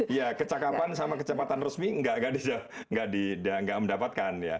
iya kecakapan sama kecepatan resmi nggak mendapatkan ya